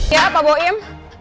iya pak boim